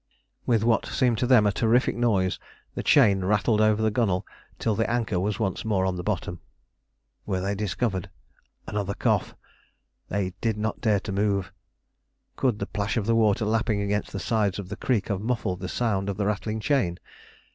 With what seemed to them a terrific noise, the chain rattled over the gunwale till the anchor was once more on the bottom. Were they discovered? Another cough! They did not dare to move. Could the plash of the water lapping against the sides of the creek have muffled the sound of the rattling chain?